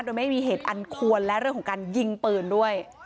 โดยไม่มีเหตุอันควรและเรื่องของการยิงปืนด้วย